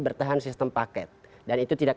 bertahan sistem paket dan itu tidak